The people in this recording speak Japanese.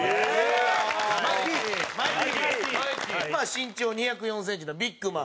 身長２０４センチのビッグマン。